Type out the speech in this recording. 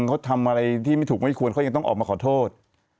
เขาทำอะไรที่ไม่ถูกไม่ควรเขายังต้องออกมาขอโทษ